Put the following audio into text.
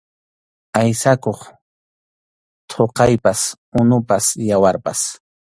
Aysakuq thuqaypas, unupas, yawarpas.